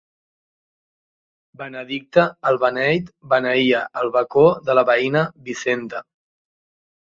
Benedicte, el beneit, beneïa el bacó de la veïna Vicenta.